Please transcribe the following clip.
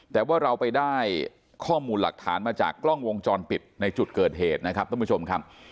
แต่ว่าเราไปได้ข้อมูลหลักฐานมาจากกล้องวงจรปิดในจุดเกิดเหตุนะครับท่านผู้ชมครับ